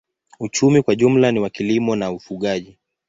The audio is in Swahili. Uchumi kwa jumla ni wa kilimo na ufugaji.